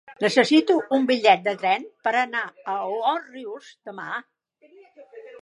Necessito un bitllet de tren per anar a Òrrius demà.